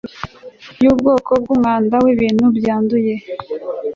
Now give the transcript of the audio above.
yubwoko bwumwanda wibintu byanduye